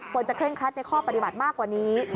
เคร่งครัดในข้อปฏิบัติมากกว่านี้